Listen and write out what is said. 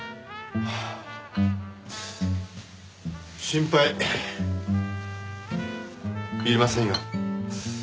心配いりませんよ。